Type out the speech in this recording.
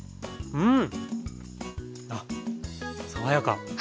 うん！